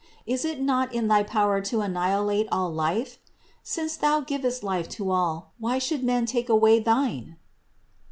Is it not in thy power to anni hilate all life? Since Thou givest life to all, why should men take away thine?